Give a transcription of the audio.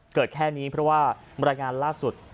เกิดแค่นี้เพราะว่ารายงานล่าสุด